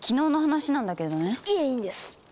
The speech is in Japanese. いえいいんです。